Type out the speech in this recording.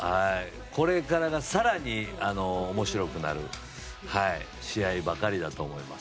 これからが更に面白くなる試合ばかりだと思います。